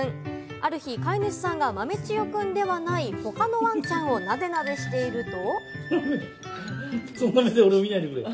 ある日、飼い主さんが豆千代くんではない、他のワンチャンをナデナデしていると。